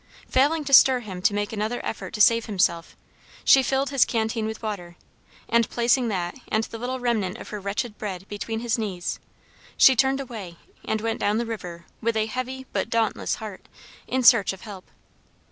Failing to stir him to make another effort to save himself, she filled his canteen with water, and placing that and the little remnant of her wretched bread between his knees, she turned away and went down the river, with a heavy but dauntless heart, in search of help.